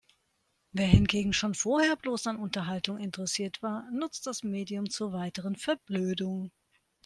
Wer hingegen schon vorher bloß an Unterhaltung interessiert war, nutzt das Medium zur weiteren Verblödung.